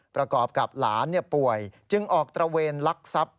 ประกอบกับหลานป่วยจึงออกตระเวนลักทรัพย์